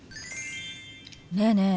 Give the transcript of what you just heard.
ねえねえ